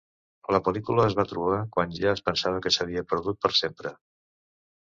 La pel·lícula es va trobar quan ja es pensava que s’havia perdut per sempre.